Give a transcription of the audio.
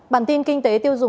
bản tin kinh tế tiêu dùng